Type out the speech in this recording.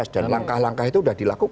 dan langkah langkah itu sudah dilakukan